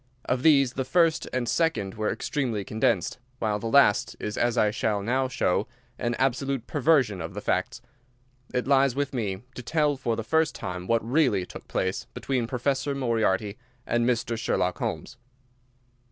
Of these the first and second were extremely condensed, while the last is, as I shall now show, an absolute perversion of the facts. It lies with me to tell for the first time what really took place between Professor Moriarty and Mr. Sherlock Holmes.